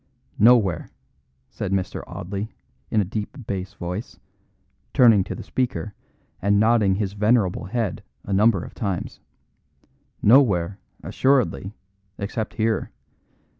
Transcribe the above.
"Nowhere," said Mr. Audley, in a deep bass voice, turning to the speaker and nodding his venerable head a number of times. "Nowhere, assuredly, except here.